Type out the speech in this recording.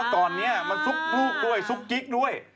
ตอนนี้มันซุกลูกด้วยซุกกิ๊กด้วย